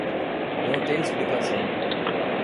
Não tem explicação.